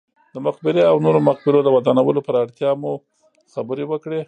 د مقبرې او نورو مقبرو د ودانولو پر اړتیا مو خبرې وکړې.